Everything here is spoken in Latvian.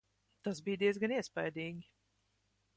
Tas bija diezgan iespaidīgi.